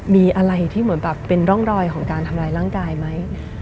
มีอะไรที่เหมือนแบบเป็นร่องรอยของการทำร้ายร่างกายไหม